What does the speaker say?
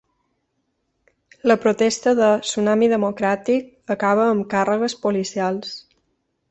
La protesta de Tsunami Democràtic acaba amb càrregues policials.